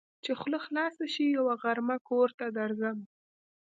چې خوله خلاصه شي؛ يوه غرمه کور ته درځم.